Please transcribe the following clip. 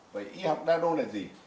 vậy y học nano là gì